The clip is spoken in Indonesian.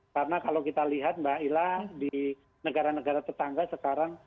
karena kalau kita lihat mbak ila di negara negara tetangga sekarang